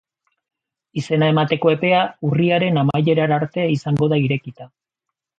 Izena emateko epea urriaren amaierara arte egongo da irekita.